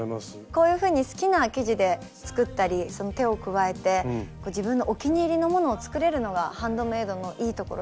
こういうふうに好きな生地で作ったり手を加えて自分のお気に入りのものを作れるのがハンドメイドのいいところですね。